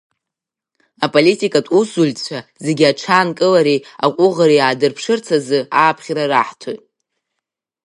Аполитикатә усзуҩцәа зегьы аҽынкылареи аҟәыӷареи аадырԥшырц азы ааԥхьара раҳҭоит.